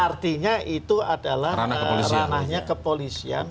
artinya itu adalah ranahnya kepolisian